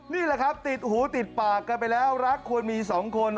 นี่แหละครับติดหูติดปากกันไปแล้วรักควรมีสองคน